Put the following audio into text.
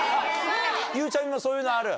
ゆうちゃみもそういうのある？